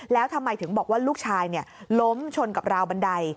แล้วทำไมถึงบอกว่าลูกชายล้มชนกับราวบันได